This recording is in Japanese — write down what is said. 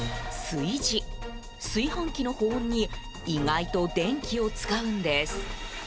炊飯器の保温に意外と電気を使うんです。